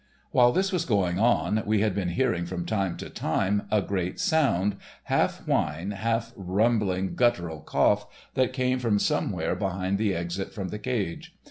While this was going on, we had been hearing from time to time a great sound, half whine, half rumbling guttural cough, that came from somewhere behind the exit from the cage.